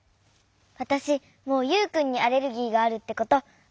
わたしもうユウくんにアレルギーがあるってことわすれない！